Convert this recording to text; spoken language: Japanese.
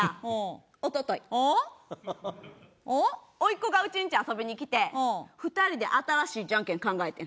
甥っ子がうちんちに遊びに来て２人で新しいジャンケン考えてん。